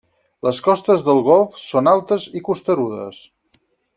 Les costes del golf són altes i costerudes.